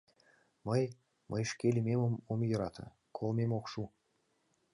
Мый... мый шке лӱмемым ом йӧрате, колмем ок шу!